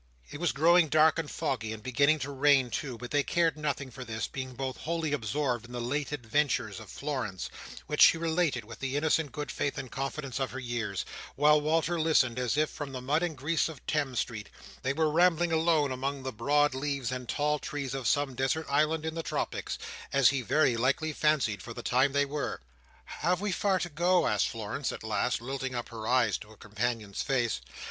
It was growing dark and foggy, and beginning to rain too; but they cared nothing for this: being both wholly absorbed in the late adventures of Florence, which she related with the innocent good faith and confidence of her years, while Walter listened as if, far from the mud and grease of Thames Street, they were rambling alone among the broad leaves and tall trees of some desert island in the tropics—as he very likely fancied, for the time, they were. "Have we far to go?" asked Florence at last, lilting up her eyes to her companion's face.